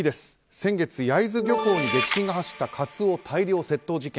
先月焼津漁港に激震が走ったカツオ大量窃盗事件。